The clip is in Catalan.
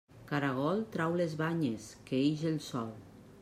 Caragol trau les banyes que ix el sol.